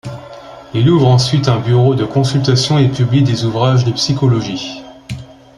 Il ouvre ensuite un bureau de consultation et publie des ouvrages de psychologie.